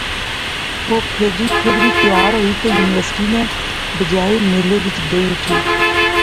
او پھیدری پھیدری تیار ہوئی تہ یونیورسٹی نے بجائے میلے وچ گئی اٹھی